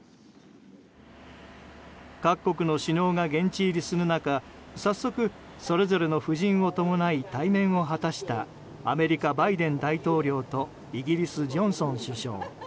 各国の首脳が現地入りする中早速それぞれの夫人を伴い対面を果たしたアメリカ、バイデン大統領とイギリス、ジョンソン首相。